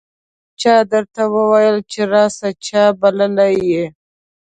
چا درته وویل چې راسه ؟ چا بللی یې